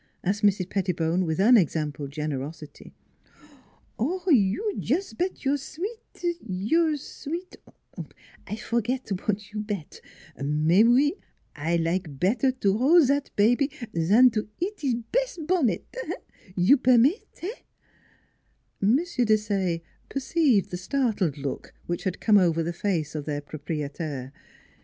asked Mrs. Pettibone, with unexampled generosity. ' You jus' bet your s weet your s weet Oh, I forget w'at your bet. Mais, out, I like bet taire to hoi' zat bebe zan t' eat his bes' bonnet. ... You permit eh?" M. Desaye perceived the startled look which had come over the face of their proprietaire.